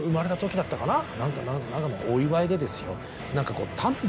何かのお祝いでですよ。